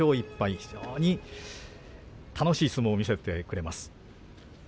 非常に楽しい相撲を見せてくれます。